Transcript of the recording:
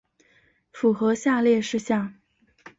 符合下列事项